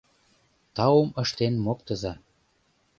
Таум ыштен моктыза!